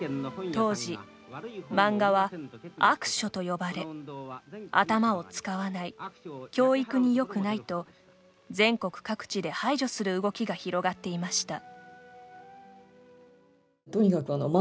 当時、漫画は悪書と呼ばれ頭を使わない、教育によくないと全国各地で排除する動きが広がっていました。